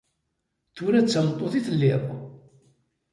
Tura d tameṭṭut i telliḍ.